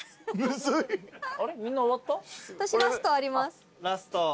私ラストあります。